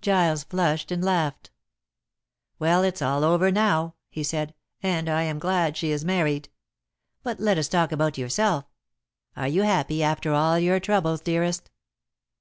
Giles flushed and laughed. "Well, it's all over now," he said, "and I am glad she is married. But let us talk about yourself. Are you happy after all your troubles, dearest?"